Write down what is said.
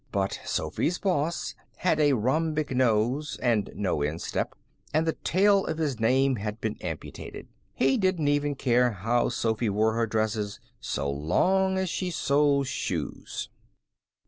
But Sophy's boss had a rhombic nose, and no instep, and the tail of his name had been amputated. He didn't care how Sophy wore her dresses so long as she sold shoes.